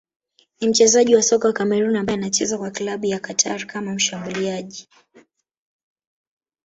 ni mchezaji wa soka wa Kameruni ambaye anacheza kwa klabu ya Qatar kama mshambuliaji